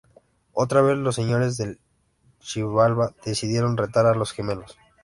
Otra vez, los señores del Xibalbá decidieron retar a los gemelos.